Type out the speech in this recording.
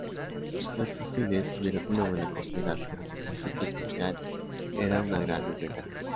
Los fusiles tuvieron una buena acogida, pero su cartucho especial era una gran desventaja.